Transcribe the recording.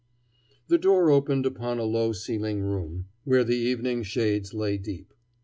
The door opened upon a low ceiled room, where the evening shades lay deep.